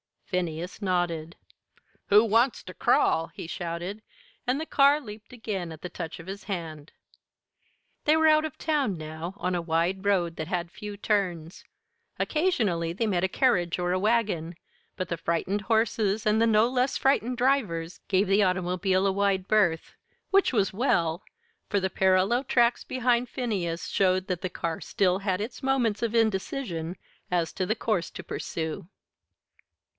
Phineas nodded. "Who wants ter crawl?" he shouted; and the car leaped again at the touch of his hand. They were out of the town now, on a wide road that had few turns. Occasionally they met a carriage or a wagon, but the frightened horses and the no less frightened drivers gave the automobile a wide berth which was well; for the parallel tracks behind Phineas showed that the car still had its moments of indecision as to the course to pursue.